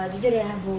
jujur ya bu